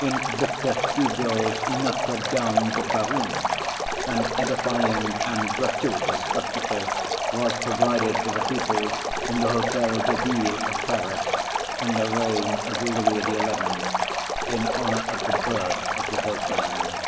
In Victor Hugo's Notre Dame de Paris an edifying and gratuitous spectacle was provided for the people in the Hôtel de Ville of Paris in the reign of Louis XI. in honor of the birth of the dauphin.